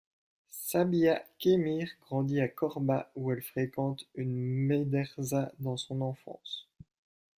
Sabiha Khémir grandit à Korba, où elle fréquente une médersa dans son enfance.